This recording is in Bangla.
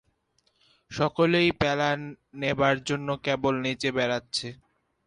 সকলেই প্যালা নেবার জন্যে কেবল নেচে বেড়াচ্ছে!